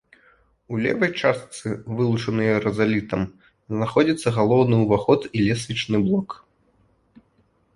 У левай частцы, вылучанай рызалітам, знаходзіцца галоўны ўваход і лесвічны блок.